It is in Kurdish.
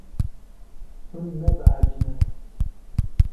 Hûn nebehecî ne.